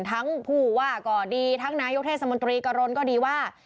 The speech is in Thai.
ผู้ว่าก็ดีทั้งนายกเทศมนตรีกะรนก็ดีว่า